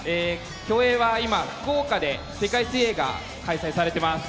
競泳は今、福岡で世界水泳が開催されてます。